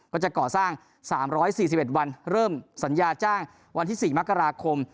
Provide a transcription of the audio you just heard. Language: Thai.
ก็จะก่อสร้าง๓๔๑วันเริ่มสัญญาจ้างวันที่๔มกราคม